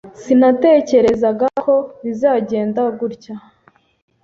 Sinatekerezaga ko bizagenda gutya.